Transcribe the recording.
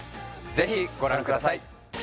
ぜひご覧ください